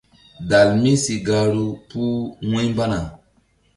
Dalmi si gahru puh wu̧ymbana.